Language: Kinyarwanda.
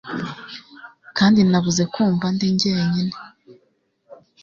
kandi nabuze kumva ndi jyenyine